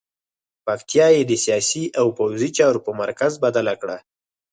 پکتیا یې د سیاسي او پوځي چارو په مرکز بدله کړه.